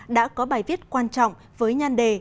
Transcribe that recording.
đã có bài viết quan trọng với nhan đề